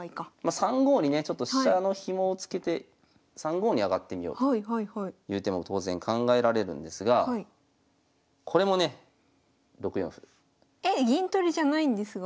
３五にねちょっと飛車のヒモをつけて３五に上がってみようという手も当然考えられるんですがこれもね６四歩。え銀取りじゃないんですが。